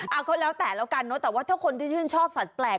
เอาก็แล้วแต่แล้วกันเนอะแต่ว่าถ้าคนที่ชื่นชอบสัตว์แปลก